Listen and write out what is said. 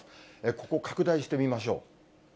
ここ、拡大してみましょう。